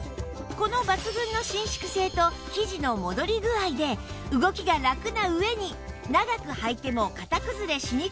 この抜群の伸縮性と生地の戻り具合で動きがラクな上に長くはいても型崩れしにくいんです